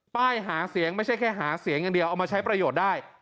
ป้ายหาเสียงไม่ใช่แค่หาเสียงอย่างเดียวเอามาใช้ประโยชน์ได้